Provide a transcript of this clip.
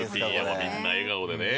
みんな笑顔でね。